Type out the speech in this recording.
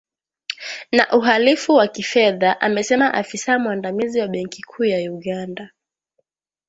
na uhalifu wa kifedha amesema afisa mwandamizi wa benki kuu ya Uganda